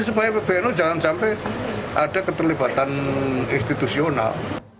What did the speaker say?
supaya pbnu jangan sampai ada keterlibatan institusional